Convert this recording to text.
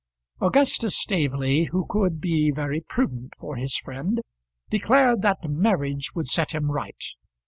Augustus Staveley, who could be very prudent for his friend, declared that marriage would set him right.